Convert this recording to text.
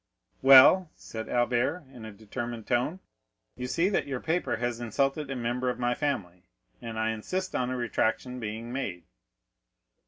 "Well," said Albert in a determined tone, "you see that your paper has insulted a member of my family, and I insist on a retractation being made."